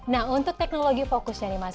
nah untuk teknologi fokusnya nih mas